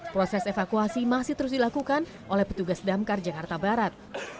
proses evakuasi masih terus dilakukan oleh petugas damkar jakarta barat